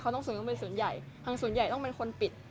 เขาต้องซื้อเป็นศูนย์ใหญ่ทางศูนย์ใหญ่ต้องเป็นคนปิด